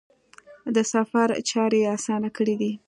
د سفر چارې یې اسانه کړي دي.